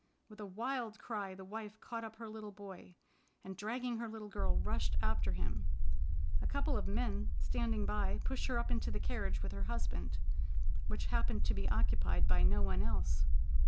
With a wild cry, the wife caught up her little boy, and, dragging her little girl, rushed after him. A couple of men standing by pushed her up into the carriage with her husband, which happened to be occupied by no one else.